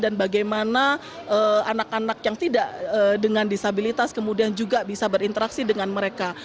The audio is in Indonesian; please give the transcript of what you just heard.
dan bagaimana anak anak yang tidak dengan disabilitas kemudian juga bisa berinteraksi dengan mereka